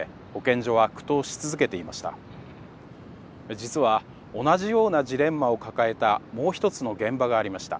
実は同じようなジレンマを抱えたもう一つの現場がありました。